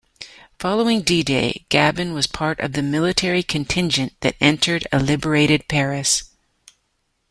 Following D-Day, Gabin was part of the military contingent that entered a liberated Paris.